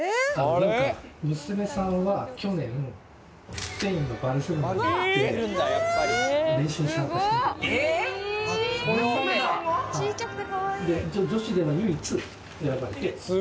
娘さんは去年、スペインのバルセロナに行って、練習に参加したみたいです。